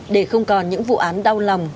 để không còn những vụ án đau lòng